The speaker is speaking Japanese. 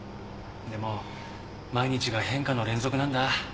でも毎日が変化の連続なんだ。